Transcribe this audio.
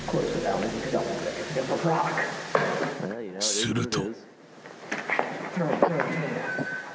［すると］